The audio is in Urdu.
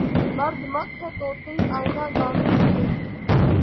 مردمک ہے طوطئِ آئینۂ زانو مجھے